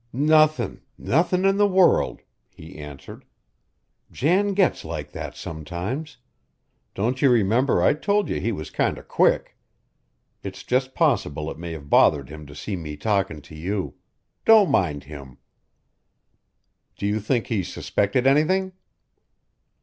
"Nothin' nothin' in the world!" he answered. "Jan gets like that sometimes. Don't you remember I told you he was kinder quick. It's just possible it may have bothered him to see me talkin' to you. Don't mind him." "Do you think he suspected anything?"